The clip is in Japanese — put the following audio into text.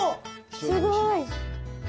すごい。